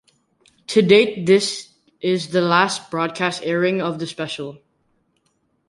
To date this is the last broadcast airing of the special.